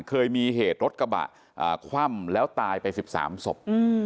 เคยมีเหตุรถกระบะคว่ำแล้วตายไป๑๓ศพ